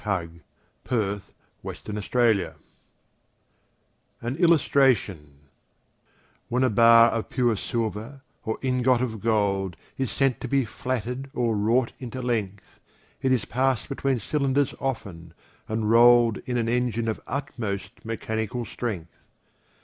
William Cowper The Flatting Mill An Illustration WHEN a bar of pure silver or ingot of gold Is sent to be flatted or wrought into length, It is pass'd between cylinders often, and roll'd In an engine of utmost mechanical strength.